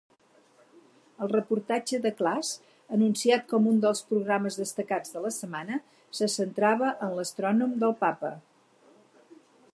El reportatge de Klass, anunciat com un dels programes destacats de la setmana, se centrava en l'astrònom del Papa.